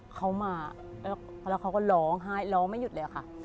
เขามาแล้วเขาก็ร้องไห้ร้องไม่หยุดเลยค่ะ